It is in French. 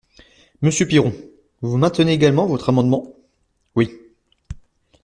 Monsieur Piron, vous maintenez également votre amendement ? Oui.